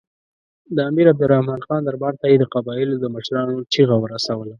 د امیر عبدالرحمن خان دربار ته یې د قبایلو د مشرانو چیغه ورسوله.